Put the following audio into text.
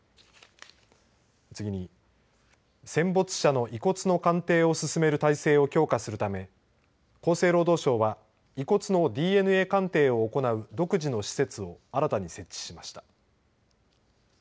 次に、戦没者の遺骨の鑑定を進める体制を強化するため厚生労働省は、遺骨のＤＮＡ鑑定を行う独自の施設を新たに設置しました。